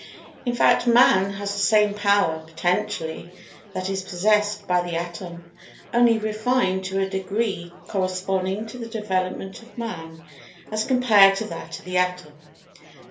In fact, Man has the same power, potentially, that is possessed by the Atom, only refined to a degree corresponding to the development of Man as compared to that of the Atom.